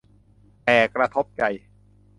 แต่กระทบใจ